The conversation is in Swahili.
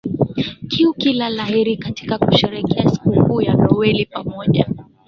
kia kila la heri katika kusherekea sikuku ya noweli pamoja